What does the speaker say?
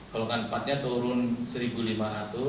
golongan empat nya turun rp satu lima ratus